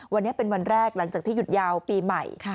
วันนี้เป็นวันแรกหลังจากที่หยุดยาวปีใหม่